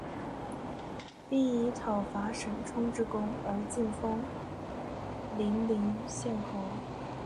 并以讨伐沈充之功而进封零陵县侯。